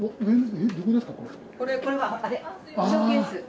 これはショーケース。